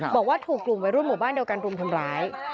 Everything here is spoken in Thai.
บอกว่าถูกกลุ่มวัยรุ่นหมู่บ้านเดียวกันรุมทำร้าย